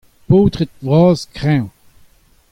paotred vras kreñv.